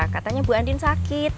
katanya ibu andin sakit